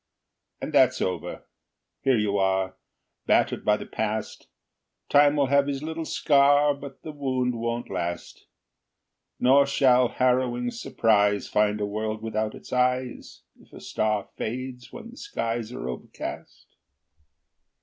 And that's over. Here you are, Battered by the past. Time will have his little scar, But the wound won't last. Nor shall harrowing surprise Find a world without its eyes If a star fades when the skies Are overcast.